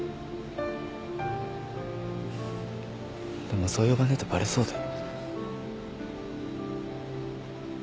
でもそう呼ばねえとバレそうで。